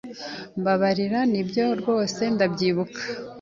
Mbabarira. Nibyo rwose ndabyibuka.